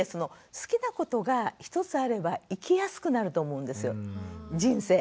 好きなことが１つあれば生きやすくなると思うんですよ人生。